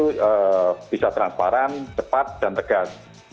maka masyarakat itu bisa transparan cepat dan tegas